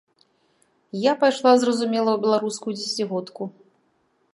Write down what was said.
Я пайшла, зразумела, у беларускую дзесяцігодку.